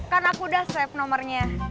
kan aku udah save nomernya